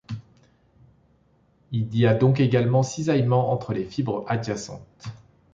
Il y a donc également cisaillement entre les fibres adjacentes.